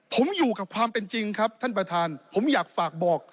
ผมอยู่กับความเป็นจริงครับท่านประธานผมอยากฝากบอก